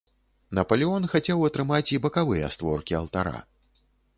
Напалеон хацеў атрымаць і бакавыя створкі алтара.